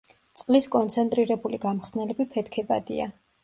წყლის კონცენტრირებული გამხსნელები ფეთქებადია.